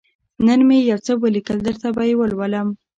_نن مې يو څه ولېکل، درته وبه يې لولم.